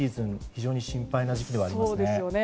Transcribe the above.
非常に心配な時期ではありますね。